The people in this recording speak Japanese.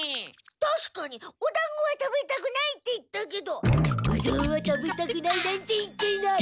たしかにおだんごは食べたくないって言ったけどうどんは食べたくないなんて言っていない。